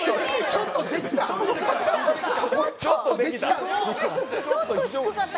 ちょっとできた？